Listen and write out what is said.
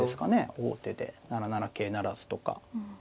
王手で７七桂不成とか。